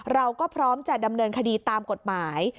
เราก็พร้อมจะดำเนินคดีตามกฎหมาย